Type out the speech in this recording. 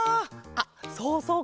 あっそうそう